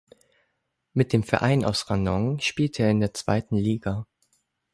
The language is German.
Mit dem Verein aus Ranong spielte er in der zweiten Liga.